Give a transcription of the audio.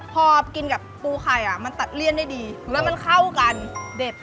พอกินกับปูไข่อ่ะมันตัดเลี่ยนได้ดีแล้วมันเข้ากันเด็ด